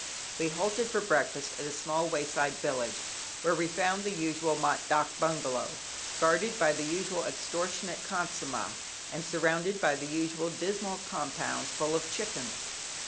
We halted for breakfast at a small wayside village, where we found the usual mat "dâk" bungalow, guarded by the usual extortionate khansamah, and surrounded by the usual dismal compound full of chickens.